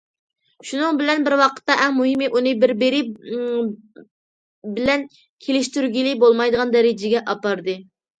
شۇنىڭ بىلەن بىر ۋاقىتتا، ئەڭ مۇھىمى ئۇنى بىر- بىرى بىلەن كېلىشتۈرگىلى بولمايدىغان دەرىجىگە ئاپاردى.